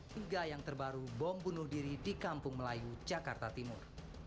hingga yang terbaru bom bunuh diri di kampung melayu jakarta timur